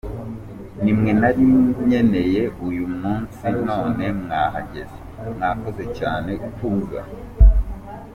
Nimwe nari nkeneye uyu munsi none mwahageze, mwakoze cyane kuza.